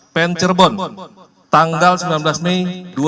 pen cerbon tanggal sembilan belas mei dua ribu tujuh belas